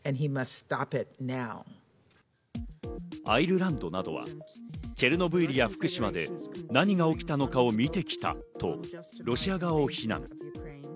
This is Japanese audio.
アイルランドなどは、チェルノブイリや福島で何が起きたのかを見てきたとロシア側を批難。